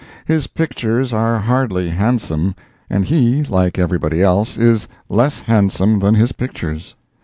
His pictures are hardly handsome, and he, like everybody else, is less handsome than his pictures.